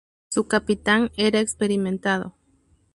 Su capitán era experimentado.